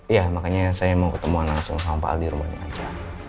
iya makanya saya mau ketemuan langsung sama pak al di rumahnya aja